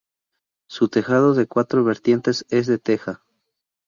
Su tejado de cuatro vertientes es de teja.